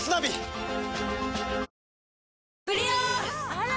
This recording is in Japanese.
あら！